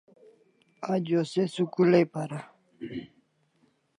Ajo se school ai para